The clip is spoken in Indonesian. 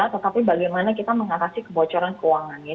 tetapi bagaimana kita mengatasi kebocoran keuangan ya